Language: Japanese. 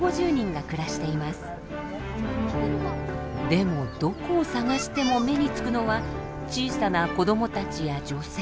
でもどこを探しても目につくのは小さな子どもたちや女性。